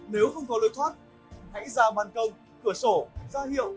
nếu không có lối thoát hãy ra bàn công cửa sổ ra hiệu